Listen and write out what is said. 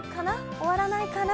終わらないかな？